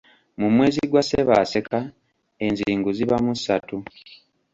Mu mwezi gwa Ssebaaseka enzingu ziba mu ssatu.